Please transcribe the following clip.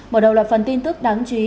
mở đầu là phần tin tức đáng chú ý